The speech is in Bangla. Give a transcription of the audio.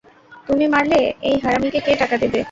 তুমি মারলে, এই হারামীকে কে টাকা দেবে?